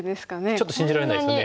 ちょっと信じられないですよね。